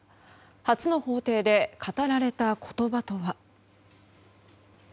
初の法廷で語られた言葉とは。